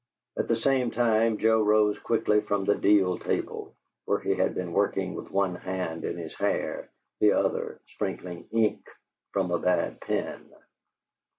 At the same time Joe rose quickly from the deal table, where he had been working with one hand in his hair, the other splattering ink from a bad pen.